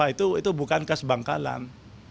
itu bukan khas bangkalan